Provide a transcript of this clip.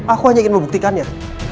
aku hanya ingin membuktikannya